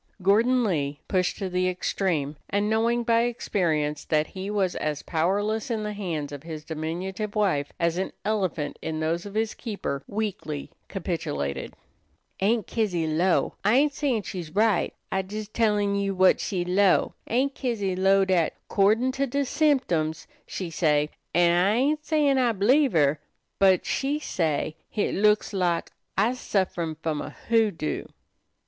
Gordon Lee, pushed to the extreme, and knowing by experience that he was as powerless in the hands of his diminutive wife as an elephant in those of his keeper, weakly capitulated. "Aunt Kizzy 'low' I ain't sayin' she's right; I's jes tellin' you what she 'low' Aunt Kizzy 'low' dat, 'cordin' to de symtems, she say', an' I ain't sayin' I b'lieve her, but she say' hit looks to her lak I's sufferin' f'om a hoodoo."